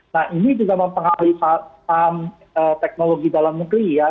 nah ini juga mempengaruhi saham teknologi dalam negeri ya